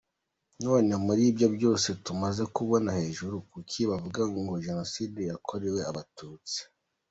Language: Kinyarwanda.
None muri ibyo byose tumaze kubona hejuru, kuki bavuga ngo Jenoside yakorewe abatutsi?